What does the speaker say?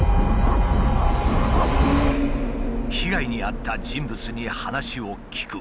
被害に遭った人物に話を聞く。